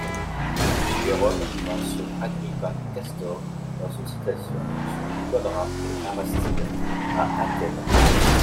Jérôme mentionne Agrippa Castor dans une citation sur Quadrat et Aristide à Athènes.